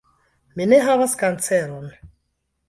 Mi ne havas kanceron.